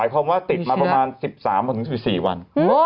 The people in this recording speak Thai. ประมาณ๑๓๑๔วัน